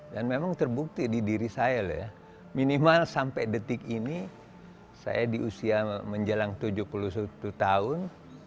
dan memang terbukti di diri saya minimal sampai detik ini saya di usia menjelang tujuh puluh satu tahun